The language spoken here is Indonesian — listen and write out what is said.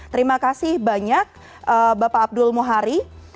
terima kasih banyak bapak abdul muhari